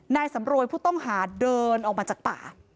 นายสำรวยผู้ต้องหาเดินออกมาจากป่า